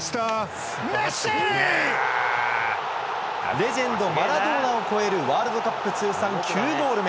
レジェンド、マラドーナを超える、ワールドカップ通算９ゴール目。